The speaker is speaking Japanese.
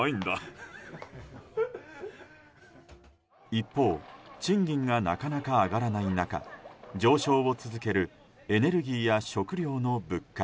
一方賃金が、なかなか上がらない中上昇を続けるエネルギーや食料の物価。